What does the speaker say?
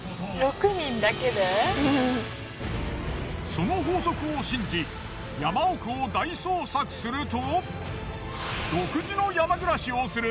その法則を信じ山奥を大捜索すると。